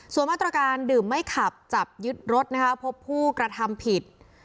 ส่วนมาตรการดื่มไม่ขับจับยึดรถนะคะพบผู้กระทำผิด